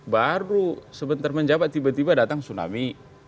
baru sebentar menjabat tiba tiba datang tsunami